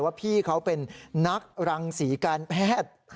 ว่าพี่เขาเป็นนักรังศรีการแพทย์